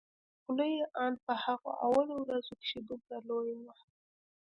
خوله يې ان په هغه اولو ورځو کښې دومره لويه وه.